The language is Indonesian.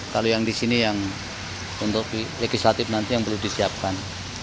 kalau yang di sini yang untuk legislatif nanti yang perlu disiapkan